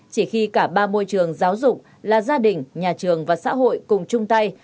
chỉ khi cả ba môi trường giáo dục là gia đình nhà trường và xã hội cùng chung tay